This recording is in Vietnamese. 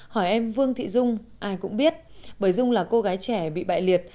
hỏi em vương thị dung ai cũng biết bởi dung là cô gái trẻ bị bại liệt